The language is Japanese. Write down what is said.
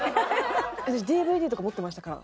私ＤＶＤとか持ってましたから。